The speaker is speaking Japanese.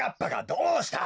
どうした？